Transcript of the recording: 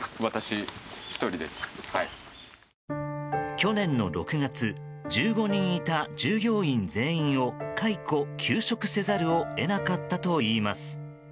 去年の６月１５人いた従業員全員を解雇・休職せざるを得なかったといいます。